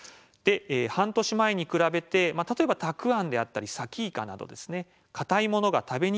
「半年前に比べて例えばたくあんであったりさきいかなど固いものが食べにくくなったのか」。